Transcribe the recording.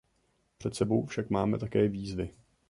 Před sebou však máme také výzvy.